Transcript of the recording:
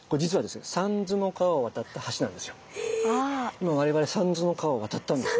今我々三途の川を渡ったんですね。